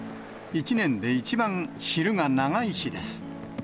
１年で一番昼が長い日です。